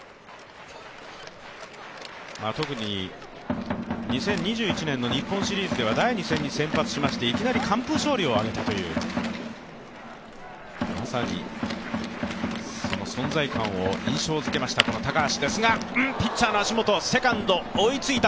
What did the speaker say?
特に２０２１年の日本シリーズでは第２戦に先発しましていきなり完封勝利を挙げたという、まさに存在感を印象づけました高橋ですが。